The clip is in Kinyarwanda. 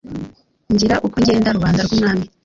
ngira ukongenda rubanda rwumwami"